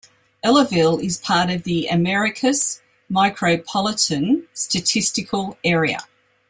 Ellaville is part of the Americus Micropolitan Statistical Area.